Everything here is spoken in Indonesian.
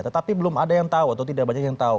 tetapi belum ada yang tahu atau tidak banyak yang tahu